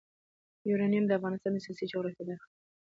یورانیم د افغانستان د سیاسي جغرافیه برخه ده.